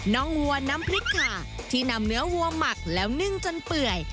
วัวน้ำพริกขาที่นำเนื้อวัวหมักแล้วนึ่งจนเปื่อย